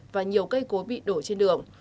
và nhiều cây cối bị đổ trên đường